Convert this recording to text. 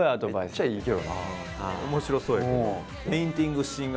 面白そうやけど。